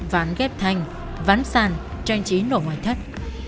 ván ghép thanh ván sàn trang trí nổ ngoại thất